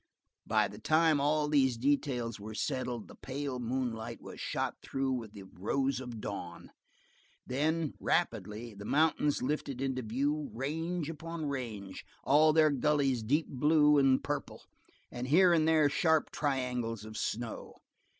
By the time all these details were settled the pale moonlight was shot through with the rose of dawn. Then, rapidly, the mountains lifted into view, range beyond range, all their gullies deep blue and purple, and here and there sharp triangles of snow.